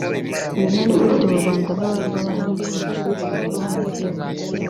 ubumwe n’ubwiyunge mu Rwanda n’uruhare rw’abarimu mu kwimakaza ibipimo by’ubumwe n’ubwiyunge